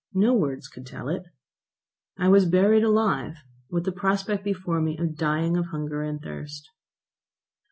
No words could tell it. I was buried alive, with the prospect before me of dying of hunger and thirst.